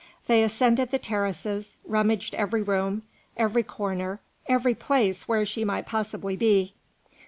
They ascended the terraces, rummaged every room, every corner, every place where she might possibly be.